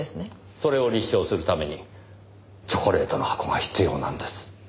それを立証するためにチョコレートの箱が必要なんです。